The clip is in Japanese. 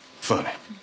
そうだね。